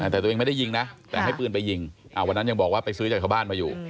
แต่ตัวเองไม่ได้ยิงนะแต่ให้ปืนไปยิงวันนั้นยังบอกว่าไปซื้อจากชาวบ้านมาอยู่